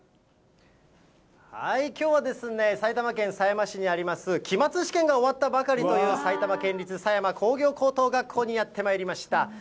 きょうは、埼玉県狭山市にあります、期末試験が終わったばかりという埼玉県立狭山工業高等学校にやってまいりました。